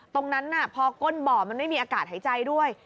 ตรงนั้นพอก้นบ่อมันไม่มีอากาศหายใจด้วย